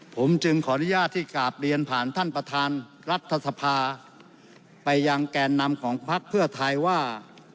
ผมจึงขออนุญาตที่กราบเรียนผ่านท่านประธานรัฐสภาไปยังแก่นำของพักเพื่อไทยว่า